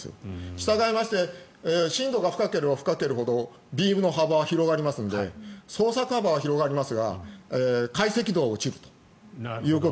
したがって深度が深ければ深いほどビームの幅は広がりますので走査の幅は広がりますが解析度は落ちると。